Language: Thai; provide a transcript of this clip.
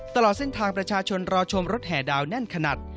ตลอดเส้นทางประชาชนรอชมรถแห่ดาวแน่นขนาด